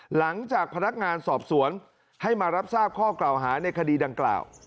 หลังจากพนักงานสอบสวนให้มารับทราบข้อกล่าวหาในคดีดังกล่าว